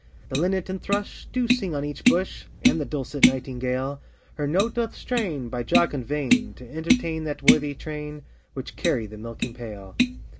The linnet and thrush do sing on each bush, And the dulcet nightingale Her note doth strain, by jocund vein, To entertain that worthy train, Which carry the milking pail.